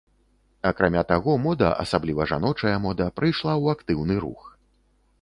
Акрамя таго, мода, асабліва жаночая мода, прыйшла ў актыўны рух.